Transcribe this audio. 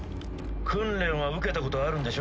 訓練は受けたことあるんでしょ？